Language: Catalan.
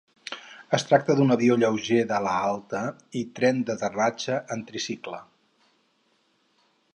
Es tracta d'un avió lleuger d'ala alta i tren d'aterratge en tricicle.